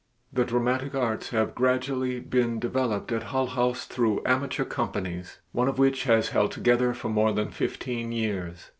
The dramatic arts have gradually been developed at Hull House through amateur companies, one of which has held together for more than fifteen years.